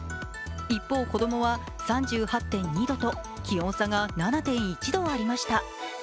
一方、子供は３８．２度と気温差が７．１度ありました。